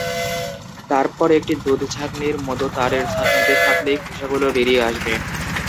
তারপর একটা দুধছাঁকনির মত তারের ছাঁকনিতে ছাঁকলেই খোসাগুলো বেরিয়ে আসবে।